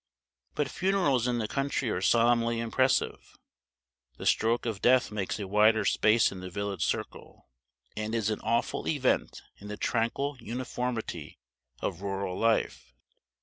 But funerals in the country are solemnly impressive. The stroke of death makes a wider space in the village circle, and is an awful event in the tranquil uniformity of rural life.